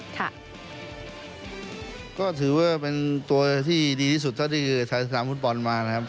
ค่ะก็ถือว่าเป็นตัวที่ดีที่สุดถ้าทีคอร์สแลนต์ภูตบอลมานะครับ